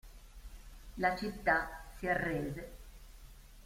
La città si arrese.